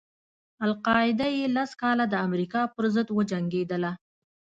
القاعده یې لس کاله د امریکا پر ضد وجنګېدله.